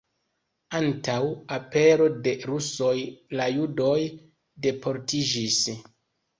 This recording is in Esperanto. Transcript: Antaŭ apero de rusoj la judoj deportiĝis.